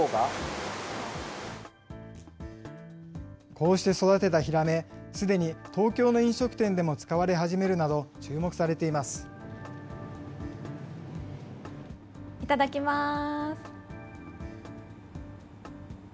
こうして育てたヒラメ、すでに東京の飲食店でも使われ始めるなど、いただきます。